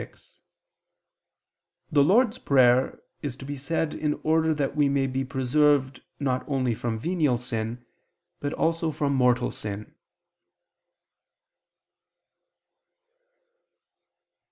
6: The Lord's Prayer is to be said in order that we may be preserved not only from venial sin, but also from mortal sin.